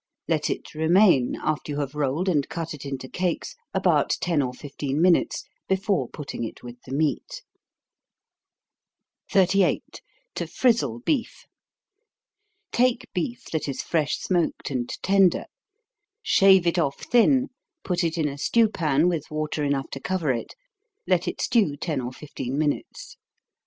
Let it remain, after you have rolled and cut it into cakes, about ten or fifteen minutes, before putting it with the meat. 38. To Frizzle Beef. Take beef that is fresh smoked and tender shave it off thin, put it in a stew pan, with water enough to cover it let it stew ten or fifteen minutes.